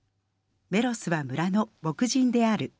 メロスは村の牧人である」。